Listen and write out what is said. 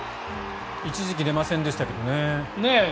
一時期出ませんでしたけどね。